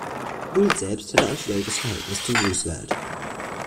Hull selbst hatte ein schwieriges Verhältnis zu Roosevelt.